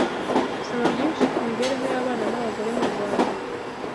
Soma byinshi ku mibereho y’abana n’abagore mu Rwanda